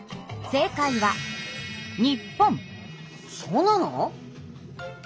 そうなの？